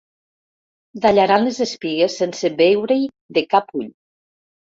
Dallaran les espigues sense veure-hi de cap ull.